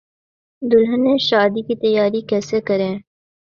دلہنیں شادی کی تیاری کیسے کریں